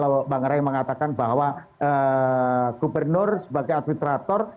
maka tadi kalau bang rai mengatakan bahwa gubernur sebagai administrator